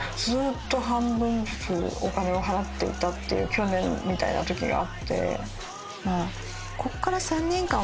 去年みたいなときがあって。